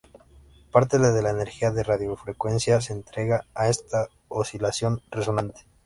Parte de la energía de radiofrecuencia se entrega a esta oscilación resonante.